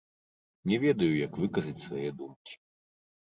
Не ведаю, як выказаць свае думкі.